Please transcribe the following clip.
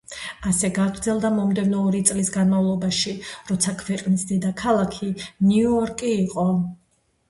ასე გაგრძელდა მომდევნო ორი წლის განმავლობაში, როცა ქვეყნის დედაქალაქი, ნიუ-იორკი იყო.